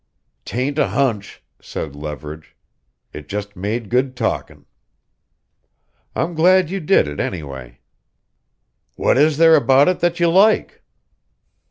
"'Tain't a hunch," said Leverage. "It just made good talkin'." "I'm glad you did it, anyway." "What is thare about it that you like?"